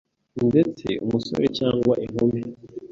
ndetse, umusore cyangwa inkumi.